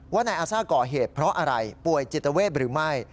ว่านายอาซ่าก่อเหตุเพราะอะไรป่วยจิตเวทหรือไม่